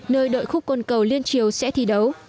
nơi đội khúc con cầu liên triều sẽ thi đấu